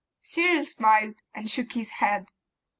Cyril smiled, and shook his head.